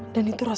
dan itu raya